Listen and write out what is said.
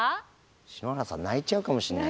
篠原さん泣いちゃうかもしれない。